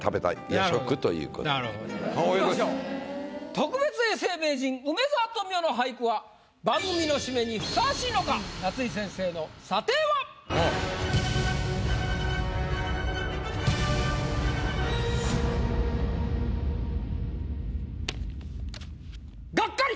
特別永世名人梅沢富美男の俳句は番組の締めにふさわしいのか⁉夏井先生の査定は⁉ガッカリ。